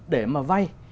để mà vai